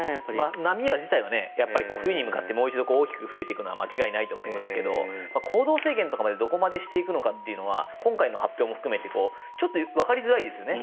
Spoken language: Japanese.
波自体は冬に向かってもう一度大きく増えていくのは間違いないと思いますけど行動制限とかどこまでしていくのかっていうのは今回の発表も含めてちょっとわかりづらいですよね。